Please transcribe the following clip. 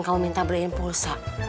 kau minta beli impulsa